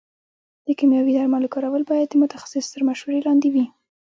د کيمياوي درملو کارول باید د متخصص تر مشورې لاندې وي.